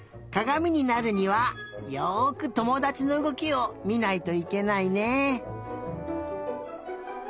かがみになるにはよくともだちのうごきをみないといけないね。